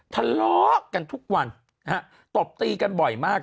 ทะเลาะกันทุกวันนะฮะตบตีกันบ่อยมาก